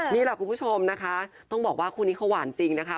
นี่แหละคุณผู้ชมนะคะต้องบอกว่าคู่นี้เขาหวานจริงนะคะ